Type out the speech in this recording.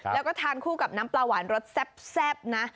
แล้วก็ทานคู่กับน้ำปลาหวานรสแซ่บนะ